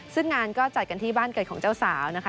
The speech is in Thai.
ซึ่งงานก็จัดกันที่บ้านเกิดของเจ้าสาวนะคะ